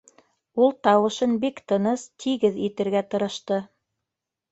Ул тауышын бик тыныс, тигеҙ итергә тырышты.